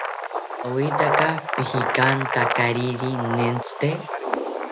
¿Oetaka pikijantakariri nentzite?